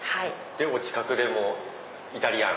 お近くでもイタリアン。